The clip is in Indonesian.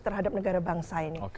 terhadap negara bangsa ini